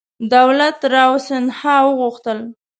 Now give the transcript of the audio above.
دولت راو سیندهیا وغوښتل.